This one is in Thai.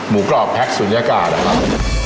หมูกรอบแพ็คศูนยากาศหรือครับ